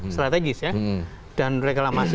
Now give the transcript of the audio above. strategis ya dan reklamasi